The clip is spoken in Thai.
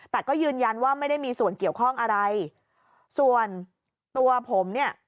แต่ก็ยืนยันว่าไม่ได้มีส่วนเกี่ยวข้องอะไรส่วนตัวผมเนี่ย